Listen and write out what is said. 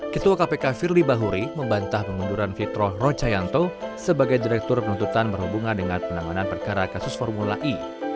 ketua kpk firly bahuri membantah pengunduran fitro rojayanto sebagai direktur penuntutan berhubungan dengan penanganan perkara kasus formula e